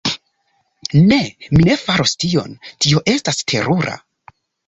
Ne. Mi ne faros tion. Tio estas terura.